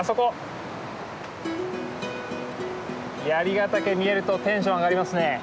槍ヶ岳見えるとテンション上がりますね。